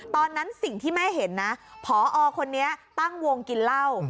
ตอนนั้นสิ่งที่แม่เห็นนะพอคนนี้ตั้งวงกินเหล้า